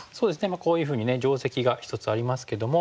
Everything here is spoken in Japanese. こういうふうに定石が一つありますけども。